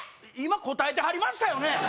今答えてはりましたよね？